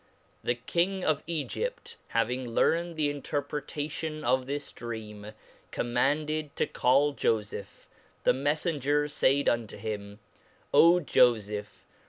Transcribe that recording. The King oiEgpt having learned the interpretation of this dream, commanded to call fofeph ; the Meffenger faid unto him, O 'J ofefh